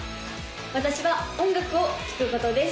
私は音楽を聴くことです